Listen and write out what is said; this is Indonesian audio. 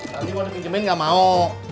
tadi gue di pinjemin enggak mau